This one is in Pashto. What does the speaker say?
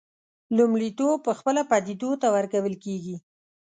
لومړیتوب پخپله پدیدو ته ورکول کېږي.